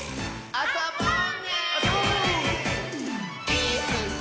あそぼう！